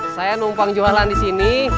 saya numpang jualan di sini